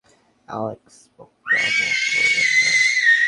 Alex, বোকামো করবেন না।